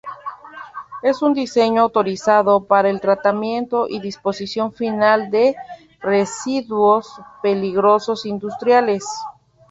Es un diseño autorizado para el tratamiento y disposición final de residuos peligrosos industriales.